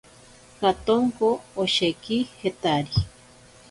Katonko osheki jetari.